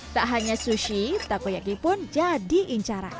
tak hanya sushi takoyaki pun jadi incaran